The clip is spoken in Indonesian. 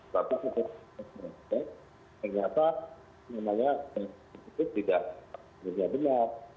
tapi ternyata ternyata memangnya itu tidak benar